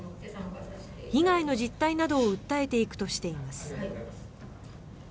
被害の実態などを訴えていくとしています。